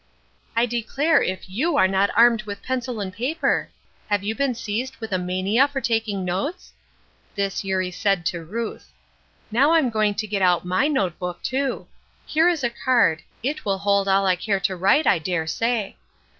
"I declare if you are not armed with a pencil and paper. Have you been seized with a mania for taking notes?" This Eurie said to Ruth. "Now I'm going to get out my note book too. Here is a card it will hold all I care to write I dare say.